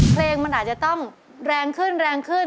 เพลงมันอาจจะต้องแรงขึ้น